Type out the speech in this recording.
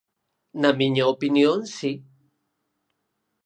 Na miña opinión si.